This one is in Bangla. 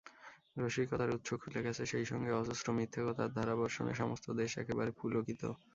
রসিকতার উৎস খুলে গেছে, সেইসঙ্গে অজস্র মিথ্যেকথার ধারাবর্ষণে সমস্ত দেশ একেবারে পুলকিত।